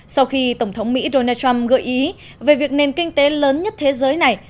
sau khi tổng thống mỹ donald trump gợi ý về việc nền kinh tế lớn nhất thế giới này